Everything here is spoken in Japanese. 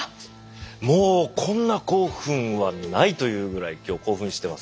もうこんな興奮はないというぐらい今日興奮してます。